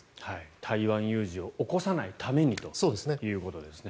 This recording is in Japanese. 台湾有事を起こさないためにということですね。